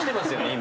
今。